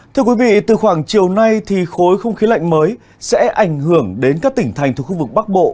thưa quý vị từ khoảng chiều nay thì khối không khí lạnh mới sẽ ảnh hưởng đến các tỉnh thành thuộc khu vực bắc bộ